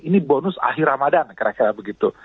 ini bonus akhir ramadan kira kira begitu